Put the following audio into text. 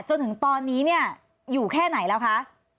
จนถึงตอนนี้เนี่ยอยู่แค่ไหนแล้วคะ